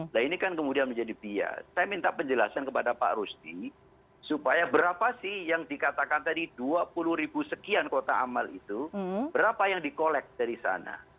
nah ini kan kemudian menjadi bias saya minta penjelasan kepada pak rusti supaya berapa sih yang dikatakan tadi dua puluh ribu sekian kota amal itu berapa yang di kolek dari sana